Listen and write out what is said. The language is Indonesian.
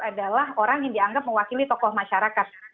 adalah orang yang dianggap mewakili tokoh masyarakat